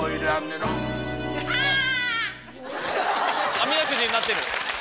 アミダくじになってる！